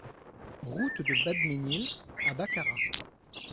Route de Badménil à Baccarat